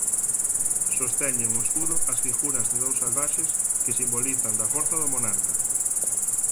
Sosteñen o escudo as figuras de dous salvaxes que simbolizan da forza do monarca.